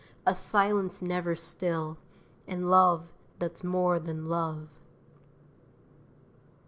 a silence never still: And love that's more than love."